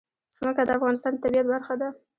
ځمکه د افغانستان د طبیعت برخه ده.